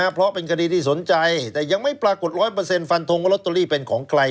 เพราะเป็นคดีที่สนใจแต่ยังไม่ปรากฏ๑๐๐ฟันทงว่าลอตเตอรี่เป็นของใคร